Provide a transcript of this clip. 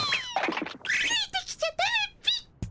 ついてきちゃダメっピッ。